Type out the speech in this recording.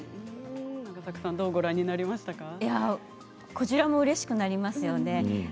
こちらもうれしくなりますよね。